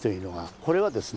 これはですね。